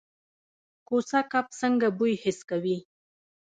کوسه کب څنګه بوی حس کوي؟